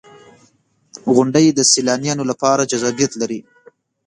• غونډۍ د سیلانیانو لپاره جذابیت لري.